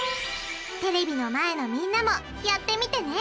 テレビの前のみんなもやってみてね。